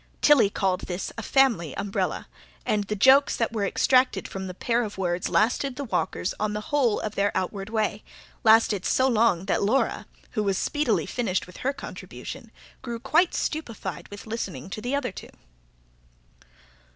Tilly called this a "family umbrella"; and the jokes that were extracted from the pair of words lasted the walkers on the whole of their outward way; lasted so long that Laura, who was speedily finished with her contribution, grew quite stupefied with listening to the other two.